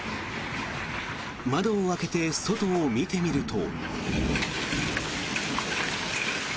窓を開けて外を見てみると。